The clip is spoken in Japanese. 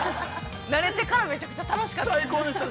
なれてからめちゃくちゃ楽しかったですね。